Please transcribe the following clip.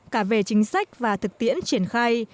cả về chính sách và thực tiễn triển khai